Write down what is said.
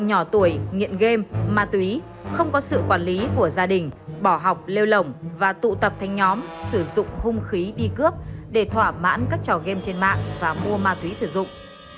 nhỏ tuổi nghiện game ma túy không có sự quản lý của gia đình bỏ học lêu lỏng và tụ tập thành nhóm sử dụng hung khí đi cướp để thỏa mãn các trò game trên mạng và mua ma túy sử dụng